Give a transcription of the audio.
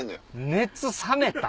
熱冷めた？